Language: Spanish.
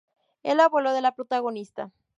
El abuelo de la protagonista.